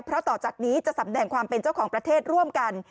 เพราะต่อจากนี้จะสำแดงความเป็นเจ้าของประเทศร่วมกัน